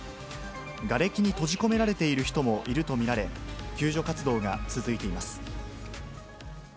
がれきに閉じ込められている人もいると見られ、救助活動が続いています。